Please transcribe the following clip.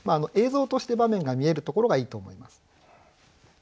映像として場面が見えるところがいいと思います。